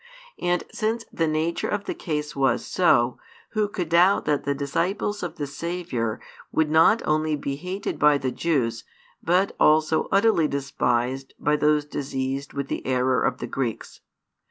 And since the nature of the case was so, who could doubt that the disciples of the Saviour would not only be hated by the Jews but also utterly despised by those diseased with the error of the Greeks?